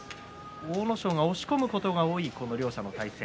阿武咲の押し込むことが多いこの両者の対戦。